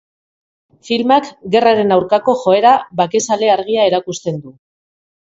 Filmak gerraren aurkako joera bakezale argia erakusten du.